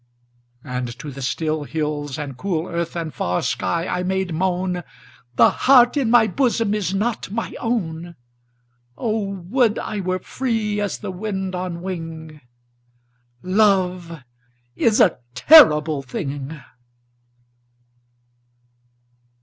. And to the still hills and cool earth and far sky I made moan, "The heart in my bosom is not my own! "O would I were free as the wind on wing; Love is a terrible thing!"